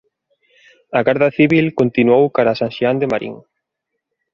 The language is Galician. A garda civil continuou cara a San Xián de Marín.